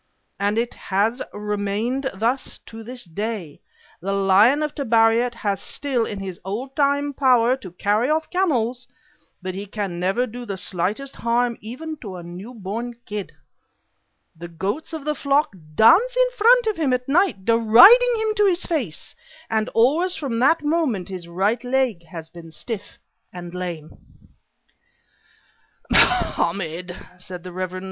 And it has remained thus to this day: the lion of Tabariat has still all his old time power to carry off camels, but he can never do the slightest harm to even a new born kid. The goats of the flocks dance in front of him at night, deriding him to his face, and always from that moment his right leg has been stiff and lame." "Mohammed," said the Rev. Mr.